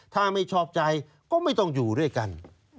ถ้าไม่ชอบใจก็ไม่ต้องอยู่ด้วยกัน